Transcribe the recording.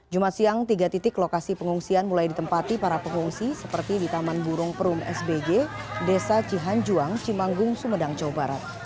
jumat siang tiga titik lokasi pengungsian mulai ditempati para pengungsi seperti di taman burung perum sbg desa cihanjuang cimanggung sumedang jawa barat